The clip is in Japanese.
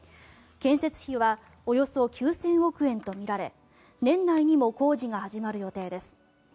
建設費はおよそ９０００億円とみられ年内にも工事が始まる予定です。